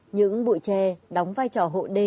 những bụi tre đóng vai trò hộ đê